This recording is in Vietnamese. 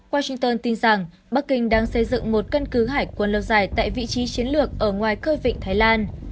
washington tin rằng bắc kinh đang xây dựng một căn cứ hải quân lâu dài tại vị trí chiến lược ở ngoài khơi vịnh thái lan